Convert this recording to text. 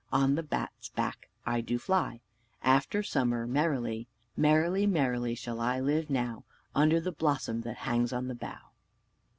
On the bat's back I do fly After summer Merrily. Merrily, merrily shall I live now Under the blossom that hangs on the bough."